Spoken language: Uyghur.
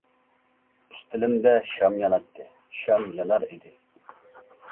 ئۈستىلىمدە شام ياناتتى، شام يانار ئىدى.